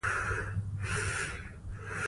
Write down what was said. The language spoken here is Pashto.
فاریاب د افغانستان د سیاسي جغرافیه برخه ده.